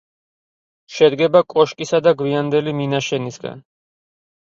შედგება კოშკისა და გვიანდელი მინაშენისგან.